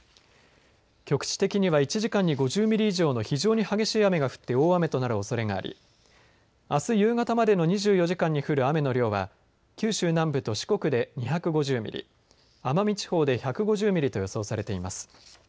局地的には１時間に５０ミリ以上の非常に激しい雨が降って大雨となるおそれがありあす夕方までの２４時間に降る雨の量は九州南部と四国で２５０ミリ奄美地方で１５０ミリと予想されています。